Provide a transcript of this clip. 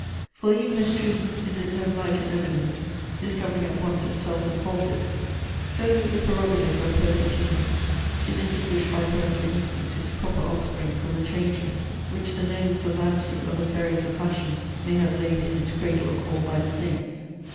For, even as truth is its own light and evidence, discovering at once itself and falsehood, so is it the prerogative of poetic genius to distinguish by parental instinct its proper offspring from the changelings, which the gnomes of vanity or the fairies of fashion may have laid in its cradle or called by its names.